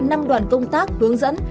năm đoàn công tác hướng dẫn